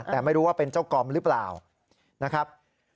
แต่ไม่รู้ว่าเป็นเจ้ากรรมหรือเปล่านะครับ